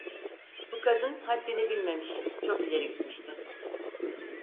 Bu kadın haddini bilmemiş, çok ileri gitmişti.